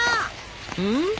うん？